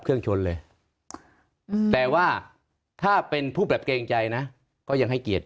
เครื่องชนเลยแต่ว่าถ้าเป็นผู้แบบเกรงใจนะก็ยังให้เกียรติ